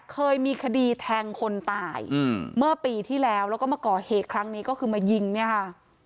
เคยมีคดีแทงคนตายเมื่อปีที่แล้วแล้วก็มาก่อเหตุครั้งนี้ก็คือมายิงเนี่ยค่ะ